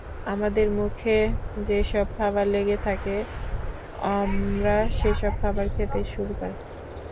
আমাদের মুখে যেসব খাবার লেগে থাকে, অম্লরা সেসব খাবার খেতে শুরু করে।